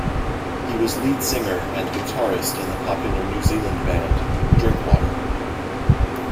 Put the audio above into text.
He was lead singer and guitarist in the popular New Zealand band Drinkwater.